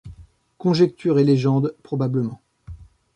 Conjectures et légendes probablement.